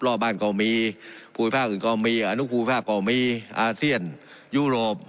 รอบบ้านก็มีภูมิภาคอื่นก็มีอนุภูมิภาคก็มีอาเซียนยุโรป